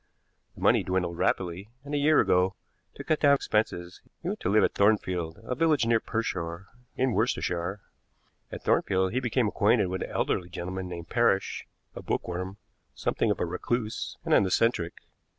The money dwindled rapidly, and a year ago, to cut down expenses, he went to live at Thornfield, a village near Pershore, in Worcestershire. At Thornfield he became acquainted with an elderly gentleman named Parrish, a bookworm, something of a recluse, and an eccentric.